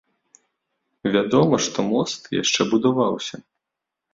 Вядома, што мост яшчэ будаваўся.